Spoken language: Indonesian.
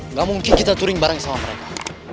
nggak mungkin kita touring bareng sama mereka